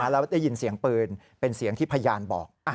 แล้วได้ยินเสียงปืนเป็นเสียงที่พยานบอก